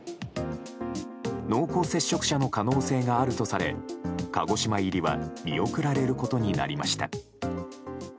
濃厚接触者の可能性があるとされ鹿児島入りは見送られることになりました。